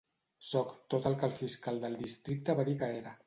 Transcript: Soc tot el que el fiscal del districte va dir que era.